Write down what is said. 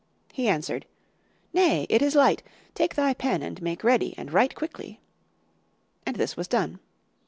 He answered, 'Nay, it is light, take thy pen and make ready, and write quickly.' And this was done.